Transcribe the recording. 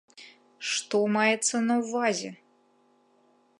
Што маецца на ўвазе?